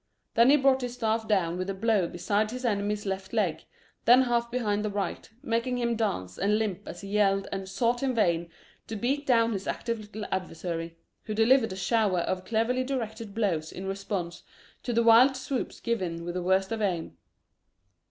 Then he brought his staff down with a blow beside his enemy's left leg, then half behind the right, making him dance and limp as he yelled and sought in vain to beat down his active little adversary, who delivered a shower of cleverly directed blows in response to the wild swoops given with the worst of aim.